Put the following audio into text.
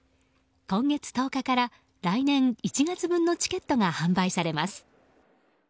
今月１０日から来年１月分のチケットが販売されます。